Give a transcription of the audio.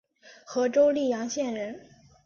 和州历阳县人。